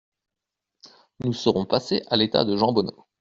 Nous serons passés à l’état de jambonneau.